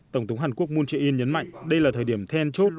tổng thống hàn quốc moon jae in nhấn mạnh đây là thời điểm then chốt